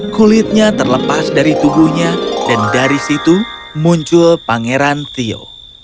kulitnya terlepas dari tubuhnya dan dari situ muncul pangeran tio